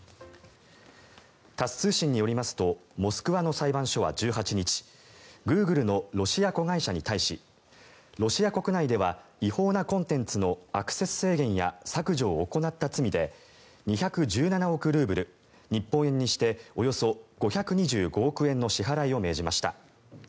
タス通信によりますとモスクワの裁判所は１８日グーグルのロシア子会社に対しロシア国内では違法なコンテンツのアクセス制限や削除を怠った罪で２１７億ルーブル日本円にしておよそ５２５億円の支払いを命じました。